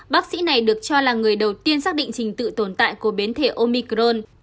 bác sĩ này được cho là người đầu tiên xác định trình tự tồn tại của biến thể omicron